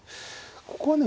ここはね